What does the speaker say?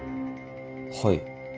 はい。